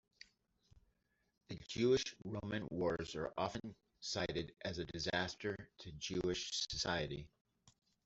The Jewish-Roman Wars are often cited as a disaster to Jewish society.